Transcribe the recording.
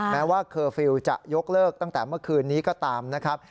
แม้ว่าเคอร์ฟิลล์จะยกเลิกตั้งแต่เมื่อคืนนี้ก็ตามนะครับ